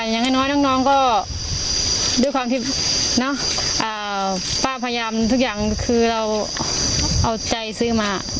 อย่างน้อยน้องก็ด้วยความที่ป้าพยายามทุกอย่างคือเราเอาใจซื้อมา